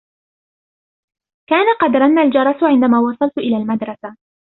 كان قد رن الجرس عندما وصلت إلى المدرسة.